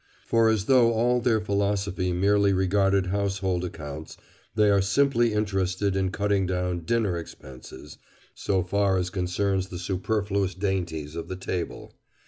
For as though all their philosophy merely regarded household accounts, they are simply interested in cutting down dinner expenses, so far as concerns the superfluous dainties of the table.